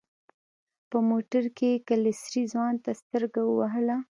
په موټر کې يې کلسري ځوان ته سترګه ووهله.